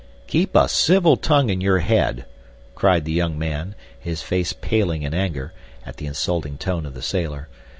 "Keep a civil tongue in your head," cried the young man, his face paling in anger, at the insulting tone of the sailor.